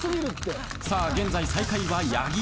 現在最下位は八木。